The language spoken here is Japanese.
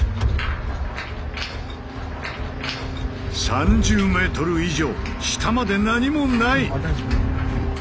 ３０メートル以上下まで何もない！